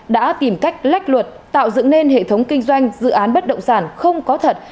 đã tìm cách lách luật tạo dựng nên hệ thống kinh doanh dự án bất động sản không có thật